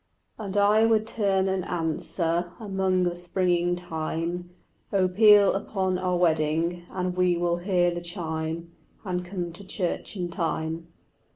And I would turn and answer Among the springing thyme, "Oh, peal upon our wedding, And we will hear the chime, And come to church in time."